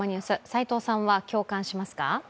齋藤さんは共感しますか？